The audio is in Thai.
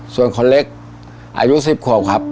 ส่วนคนเล็กอายุ๑๐ขวบครับ